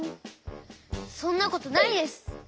そんなことないです！